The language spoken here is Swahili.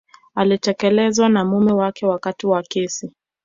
alitelekezwa na mume wake wakati wa kesi